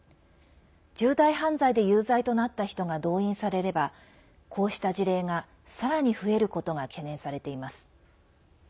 重大犯罪で有罪となった人が動員されればこうした事例が、さらに増えることが懸念されています。